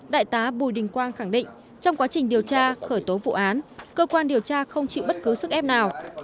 đại tá bùi đình quang khẳng định trong quá trình điều tra khởi tố vụ án cơ quan điều tra không chịu bất cứ sức ép nào